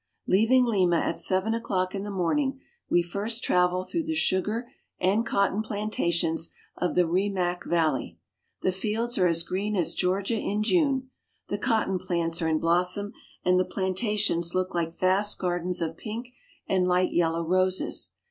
Leaving Lima at seven o'clock in the morning, we first travel through the sugar and cotton plantations of the Rimac valley. The fields are as green as Georgia in June. The cotton plants are in blossom, and the plantations look like vast gardens of pink and light yellow roses.